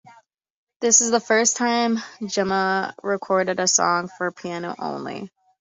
This is the first time Gemma recorded a song for piano only.